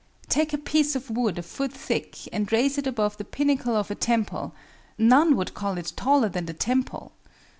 Take a piece of wood a foot thick and raise it above the pinnacle of a temple, none would call it taller than the temple.